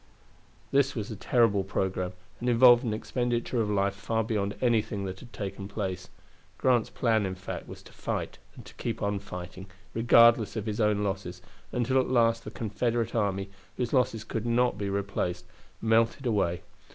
This was a terrible programme, and involved an expenditure of life far beyond anything that had taken place. Grant's plan, in fact, was to fight and to keep on fighting, regardless of his own losses, until at last the Confederate army, whose losses could not be replaced, melted away.